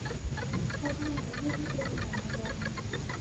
พัฒนาประเทศให้เป็นอุตสาหกรรม